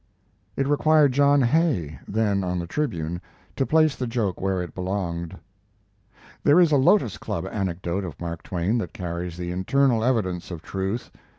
It required John Hay (then on the Tribune) to place the joke where it belonged. There is a Lotos Club anecdote of Mark Twain that carries the internal evidence of truth.